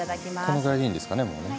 このぐらいでいいんですかねもうね。